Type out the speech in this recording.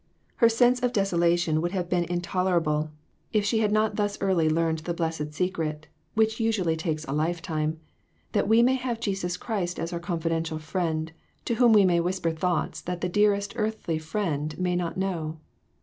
Her sense of desolation would have been intol erable, if she had not thus early learned the THREE OF US. 385 blessed secret, which usually takes a lifetime, that we may have Jesus Christ as our confidential friend, to whom we may whisper thoughts that the dearest earthly friend may not know.